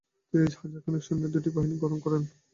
তিনি হাজারখানেক সৈন্যের দু'টি বাহিনী গঠন করেন।